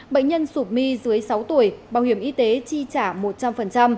bệnh nhân sụp my dưới sáu tuổi bảo hiểm y tế chi trả một trăm linh